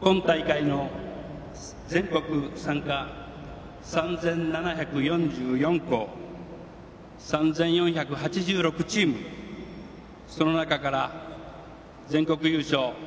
今大会の全国参加３７４４校３４８６チームその中から全国優勝